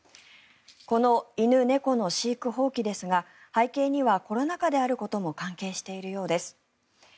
この犬、猫の飼育放棄ですが背景にはコロナ禍であることも関係しているようです。